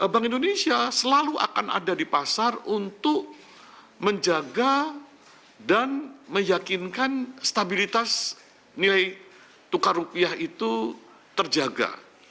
bank indonesia selalu akan ada di pasar untuk menjaga dan meyakinkan stabilitas nilai tukar rupiah itu terjaga